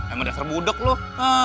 emang dasar budak loh